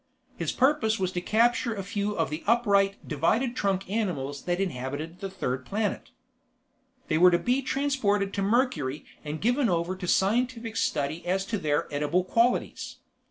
His purpose was to capture a few of the upright, divided trunk animals that inhabited the third planet. They were to be transported to Mercury and given over to scientific study as to their edible qualities.